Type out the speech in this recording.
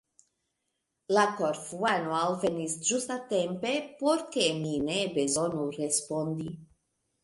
La Korfuano alvenis ĝustatempe, por ke mi ne bezonu respondi.